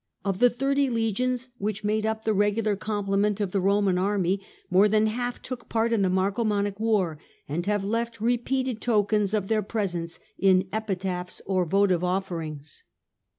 Of the thirty arduous. legions which made up the regular comple ment of the Roman army, more than half took part in the Marcomannic war, and have left repeated tokens of their presence in epitaphs or votive offerings.